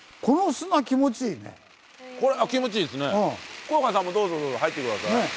福岡さんもどうぞどうぞ入ってください。